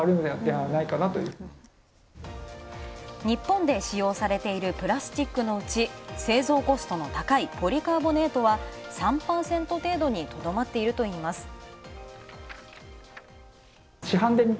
日本で使用されているプラスチックのうち製造コストの高いポリカーボネートは３％程度にとどまっているといいます。